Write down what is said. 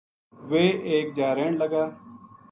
ویہ ایک جا رہن لگا